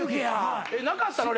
なかったの？